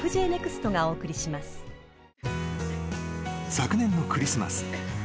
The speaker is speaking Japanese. ［昨年のクリスマス］